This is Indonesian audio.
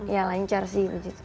iya lancar sih